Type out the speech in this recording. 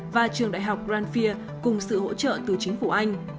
và trường đại học grandfir cùng sự hỗ trợ từ chính phủ anh